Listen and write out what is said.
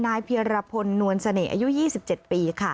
เพียรพลนวลเสน่ห์อายุ๒๗ปี